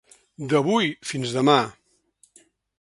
D'avui, fins demà.